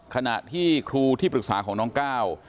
ขณะที่ครูที่ปรึกษาของน้องก้าว